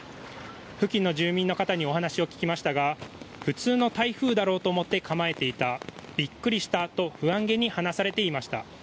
付近の住民の方にお話を聞きましたが普通の台風だろうと思って構えていた、びっくりしたと不安げに話されていました。